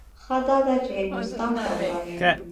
ښه داده چې هندوستان ته ولاړ شم.